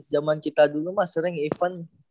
zaman kita dulu mas sering event